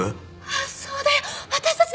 そうだよ私たちだよ！